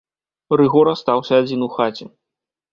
Рыгор астаўся адзін у хаце.